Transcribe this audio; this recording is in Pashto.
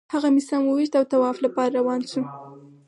هغه مې سم وویشت او طواف لپاره روان شوو.